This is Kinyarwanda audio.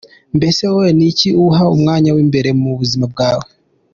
Mbese wowe ni iki uha umwanya w'imbere mu buzima bwawe?.